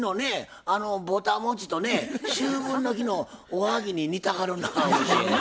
あのぼたもちとね秋分の日のおはぎに似てはるなぁ思て。